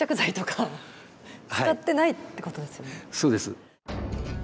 そうです。